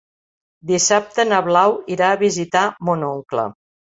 Dissabte na Blau irà a visitar mon oncle.